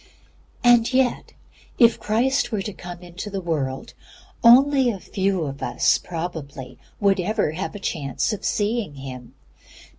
'" And yet, if Christ were to come into the world again, few of us probably would ever have a chance of seeing Him.